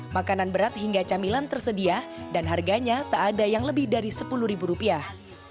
makanan berat hingga camilan tersedia dan harganya tak ada yang lebih dari sepuluh ribu rupiah